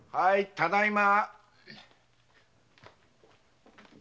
ただいま！